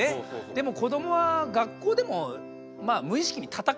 でも子どもは学校でもまあ無意識に闘ってはいるんでしょうね。